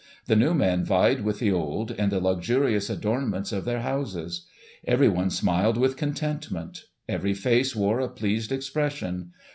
The new men vied with the old, in the luxurious adornments of their houses. Everyone smiled with contentment ; every face wore a pleased expression.